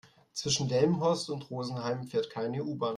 Zwischen Delmenhorst und Rosenheim fährt keine U-Bahn